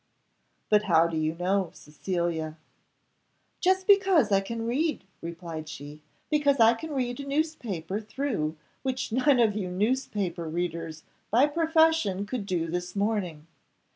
"But how do you know, Cecilia?" "Just because I can read," replied she, "because I can read a newspaper through, which none of you newspaper readers by profession could do this morning.